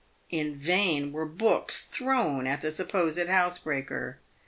In vain were books thrown at the supposed housebreaker.